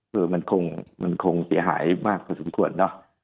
คือมันคงเสียหายมากกว่าสมควรนะ